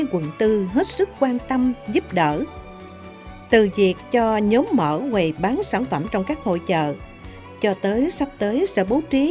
vâng thưa quý vị và các bạn